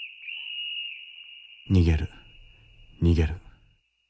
逃げる逃げる。